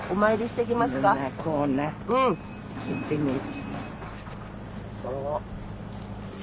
行ってみる。